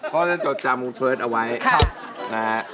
ก็จะจดจำวงเฟิร์สเอาไว้ครับ